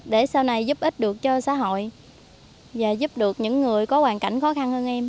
để sau này giúp ích được cho xã hội và giúp được những người có hoàn cảnh khó khăn hơn em